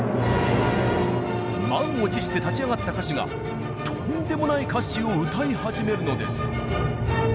満を持して立ち上がった歌手がとんでもない歌詞を歌い始めるのです。